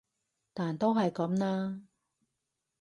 但都係噉啦